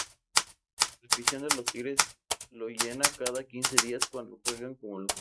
La afición de los Tigres lo llena cada quince días cuando juegan como locales.